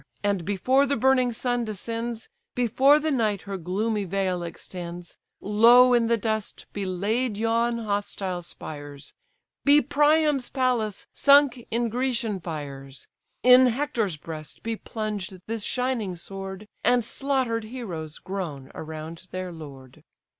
and before the burning sun descends, Before the night her gloomy veil extends, Low in the dust be laid yon hostile spires, Be Priam's palace sunk in Grecian fires. In Hector's breast be plunged this shining sword, And slaughter'd heroes groan around their lord!"